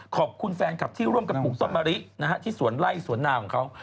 ขอบคุณแฟนคลับที่ร่วมกันปลูกต้นมะริที่สวนไล่สวนนาของเขา